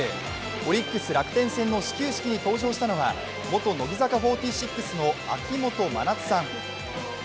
オリックス×楽天の始球式に登場したのは元乃木坂４６の秋元真夏さん。